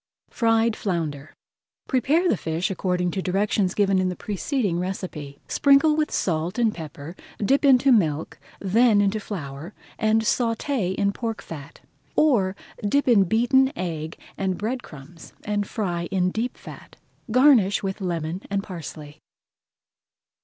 FRIED FLOUNDER Prepare the fish according to directions given in the preceding recipe. Sprinkle with salt and pepper, dip into milk, then into flour, and sauté in pork fat. Or, dip in beaten egg [Page 144] and bread crumbs and fry in deep fat. Garnish with lemon and parsley.